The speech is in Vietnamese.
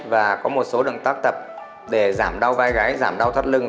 và có một số động tác tập để giảm đau vai gái giảm đau thoát lưng